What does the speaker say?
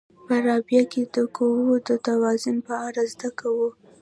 په رافعه کې د قوو د توازن په اړه زده کوو.